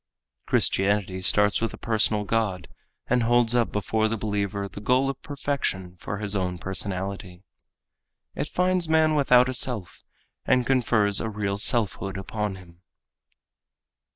Christianity starts with a personal God and holds up before the believer the goal of perfection for his own personality. It finds man without a self and confers a real selfhood upon him.